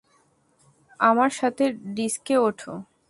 আমার সাথে ডিস্কে ওঠো।